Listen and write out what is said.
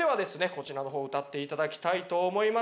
こちらの方歌っていただきたいと思います。